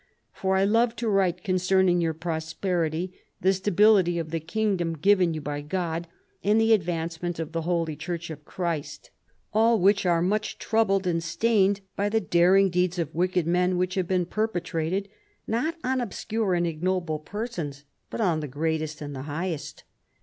For I love to write concerning 3'^our prosperity, the stability of the kingdom given you by God and the advancement of the Holy Church of Christ. All which are much troubled and stained by the daring deeds of wicked men which have been perpetrated, not on obscure and ignoble persons, but on the greatest and the highest.